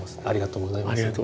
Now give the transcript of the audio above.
ありがとうございます。